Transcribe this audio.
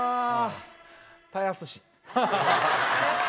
「たやすし」。